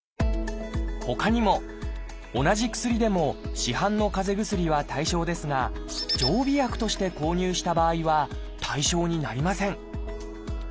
ほかにも同じ薬でも市販のかぜ薬は対象ですが常備薬として購入した場合は対象になりません